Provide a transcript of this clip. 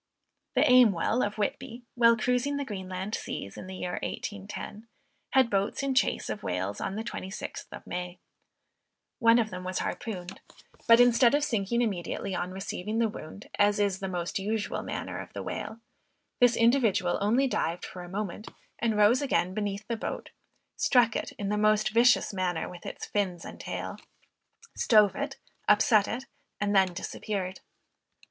The Aimwell of Whitby, while cruising the Greenland seas, in the year 1810, had boats in chase of whales on the 26th of May. One of them was harpooned. But instead of sinking immediately on receiving the wound, as is the most usual manner of the whale, this individual only dived for a moment, and rose again beneath the boat, struck it in the most vicious manner with its fins and tail, stove it, upset it, and then disappeared.